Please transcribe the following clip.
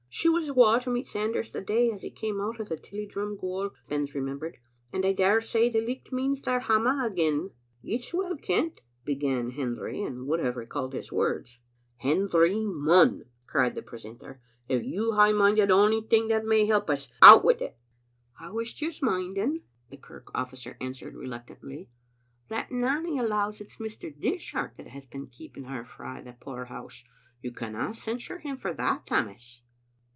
" She was awa to meet Sanders the day as he came out o' the Tilliedrum gaol," Spens remembered, "and I daresay the licht means they're hame again." " It's well kent —" began Hendry, and would havt recalled his words. Digitized by VjOOQ IC "Hendry Munn," cried the precentor, "if you hae minded ony thing that may help us, out wi*t." "I was just minding," the kirk ofl&cer answered re luctantly, that Nanny allows it's Mr. Dishart that has been keeping her frae the poorhouse. You canna cen sure him for that, Tammas."